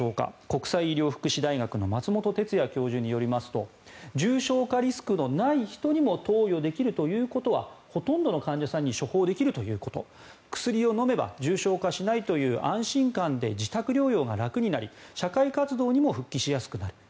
国際医療福祉大学の松本哲哉教授によりますと重症化リスクのない人にも投与できるということはほとんどの患者さんに処方できるということ薬を飲めば重症化しないという安心感で、自宅療養が楽になり社会活動にも復帰しやすくなる